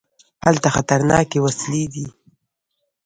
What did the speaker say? هلته خطرناکې وسلې دي.